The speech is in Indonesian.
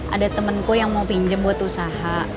ada temenku yang mau pinjem buat usaha